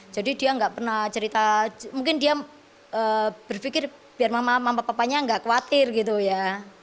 jadi dia nggak pernah cerita mungkin dia berpikir biar mama papanya nggak khawatir gitu ya